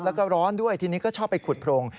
แล้วก็ร้อนด้วยทีนี้ก็ชอบไปขุดโพรง